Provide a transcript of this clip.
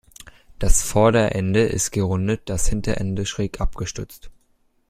Das Vorderende ist gerundet, das Hinterende schräg abgestutzt.